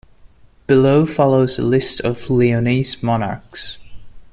Below follows a list of Leonese monarchs.